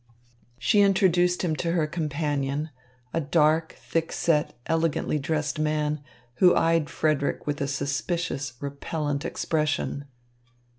She introduced him to her companion, a dark, thick set, elegantly dressed man, who eyed Frederick with a suspicious, repellent expression.